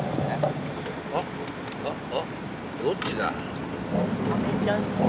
あっああ